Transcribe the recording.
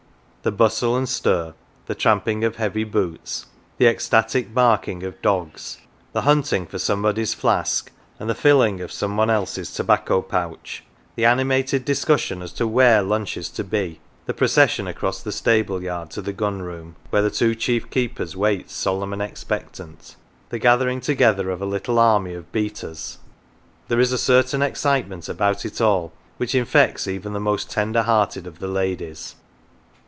The bustle and stir, the tramping of heavy boots, the ecstatic barking of dogs, the hunting for somebody's flask, and the filling of some one else's tobacco pouch ; the animated discussion as to where lunch is to be ; the procession across the stable yard to the gun room, 251 MATES where the two chief keepers wait solemn and expectant ; the gathering together of a little army of beaters; there is a certain excitement about it all which infects even the most tender hearted of the ladies.